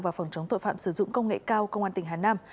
và phòng chống tội phạm sử dụng công nghệ cao công an tỉnh hà nam